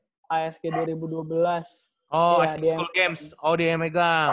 oh asg cool games oh dia yang pegang